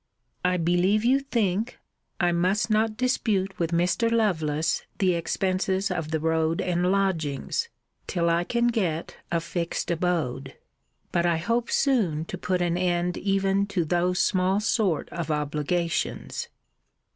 I believe you think, I must not dispute with Mr. Lovelace the expenses of the road and lodgings, till I can get a fixed abode. But I hope soon to put an end even to those small sort of obligations.